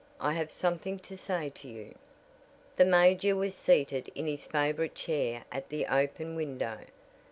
I have something to say to you." The major was seated in his favorite chair at the open window.